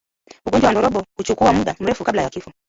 Ugonjwa wa ndorobo huchukua muda mrefu kabla ya kifo